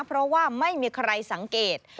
เพราะว่าไม่มีใครสังเกต